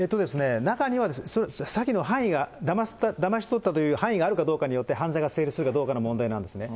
中には、詐欺の犯意が、だまし取ったという範囲があるかどうかによって、犯罪が成立するかどうかの問題なんですね。